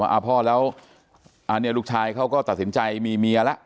อ่าพ่อแล้วอันนี้ลูกชายเขาก็ตัดสินใจมีเมียแล้ว